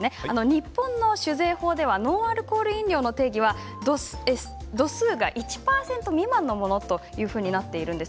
日本の酒税法ではノンアルコール飲料の定義は度数が１％未満のものというふうになっています。